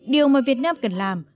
điều mà việt nam cần làm